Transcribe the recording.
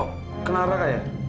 oh kenal raka ya